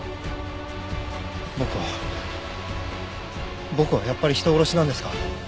僕は僕はやっぱり人殺しなんですか？